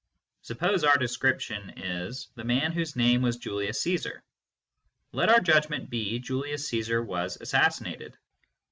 Suppose our description is " the man whose name was Julius Ccesar" Let our judgment be " Julius Caesar was assassinated."